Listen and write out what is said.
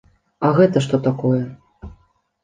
А гэта што такое?